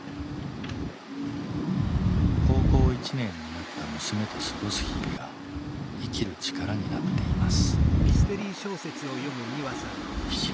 高校１年になった娘と過ごす日々が生きる力になっています。